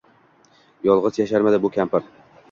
Yolgʻiz yasharmidi bu kampir?